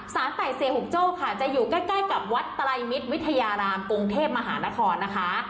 ไต่เซียหุงโจ้ค่ะจะอยู่ใกล้กับวัดไตรมิตรวิทยารามกรุงเทพมหานครนะคะ